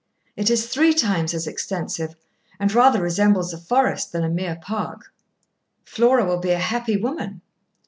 'It is three times as extensive, and rather resembles a forest than a mere park.' 'Flora will be a happy woman.'